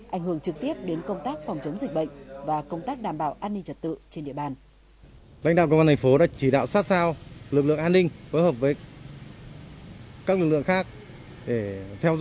ảnh hưởng đến công tác phòng chống dịch bệnh